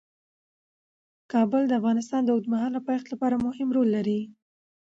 کابل د افغانستان د اوږدمهاله پایښت لپاره مهم رول لري.